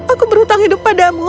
aku berhutang hidup padamu